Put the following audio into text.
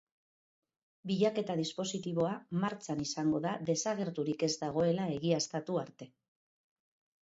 Bilaketa-dispositiboa martxan izango da desagerturik ez dagoela egiaztatu arte.